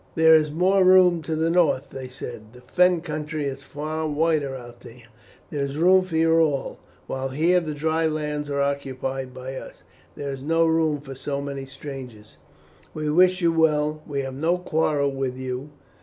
"There is more room to the north," they said; "the Fen country is far wider there, there is room for you all, while here the dry lands are occupied by us, and there is no room for so many strangers. We wish you well; we have no quarrel with you.